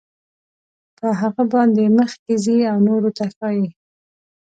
په هغه باندې مخکې ځي او نورو ته ښایي.